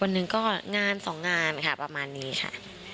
หนึ่งก็งานสองงานค่ะประมาณนี้ค่ะ